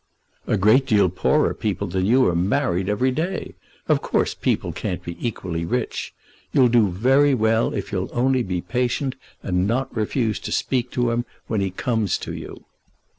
"A great deal poorer people than you are married every day. Of course people can't be equally rich. You'll do very well if you'll only be patient, and not refuse to speak to him when he comes to you."